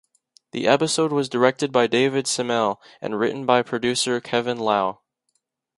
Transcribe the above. The episode was directed by David Semel and written by producer Kevin Lau.